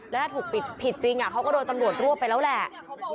แล้วถ้าถูกผิดจริงเขาก็โดนตำรวจรวบไปแล้วแหละ